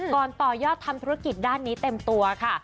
ต่อยอดทำธุรกิจด้านนี้เต็มตัวค่ะ